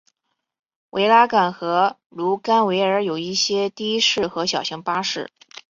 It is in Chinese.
维拉港和卢甘维尔有一些的士和小型巴士。